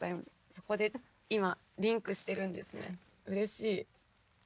そこで今リンクしてるんですねうれしい。